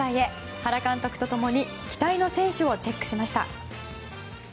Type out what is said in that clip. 原監督と共に期待の選手をチェックしました。